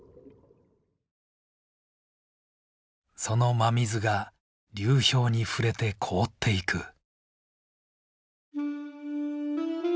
その真水が流氷に触れて凍っていく。